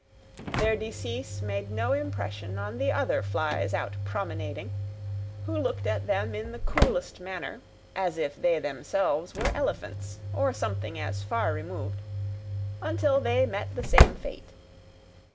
Their decease made no impression on the other flies out promenading, who looked at them in the coolest manner (as if they themselves were elephants, or something as far removed), until they met the same fate.